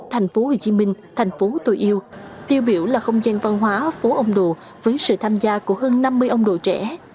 thành phố hồ chí minh thành phố tôi yêu tiêu biểu là không gian văn hóa phố ông đồ với sự tham gia của hơn năm mươi ông đồ trẻ